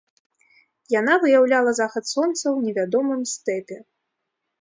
Яна выяўляла захад сонца ў невядомым стэпе.